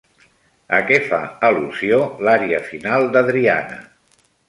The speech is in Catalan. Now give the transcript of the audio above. A què fa al·lusió l'ària final d'Adriana?